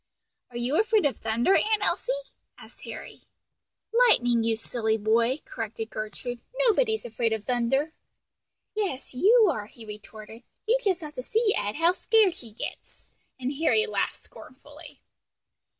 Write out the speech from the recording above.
"Are you afraid of thunder, Aunt Elsie?" asked Harry. "Lightning, you silly boy," corrected Gertrude, "nobody's afraid of thunder." "Yes, you are," he retorted. "You just ought to see, Ed, how scared she gets," and Harry laughed scornfully.